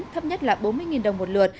thấp nhất là bốn mươi đồng một lửa